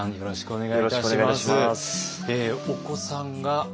お子さんが３人？